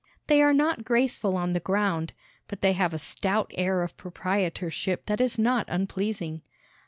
They are not graceful on the ground, but they have a stout air of proprietorship that is not unpleasing.